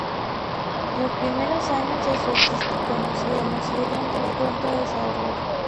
Los primeros años de su existencia conocieron un pronto desarrollo.